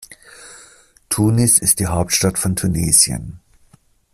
Tunis ist die Hauptstadt von Tunesien.